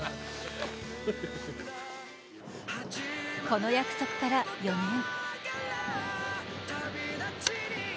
この約束から４年。